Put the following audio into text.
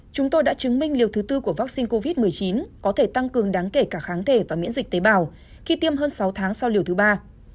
chúng tôi đã chứng minh liều thứ tư của vaccine covid một mươi chín có thể tăng cường đáng kể cả kháng thể và miễn dịch tế bào khi tiêm hơn sáu tháng sau liều thứ ba